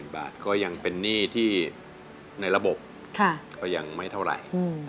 ๔๐๐๐๐บาทก็ยังเป็นหนี้ที่ในระบบยังไม่เท่าไร